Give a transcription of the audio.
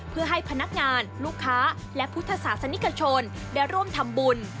เพื่อให้พนักงานลูกค้าและพุทธศาสนิกชนได้ร่วมทำบุญ